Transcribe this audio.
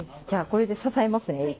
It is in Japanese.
じゃあこれで支えますね